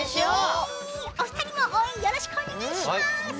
お二人も応援よろしくお願いします。